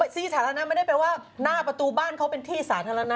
ที่สาธารณะไม่ได้แปลว่าหน้าประตูบ้านเขาเป็นที่สาธารณะ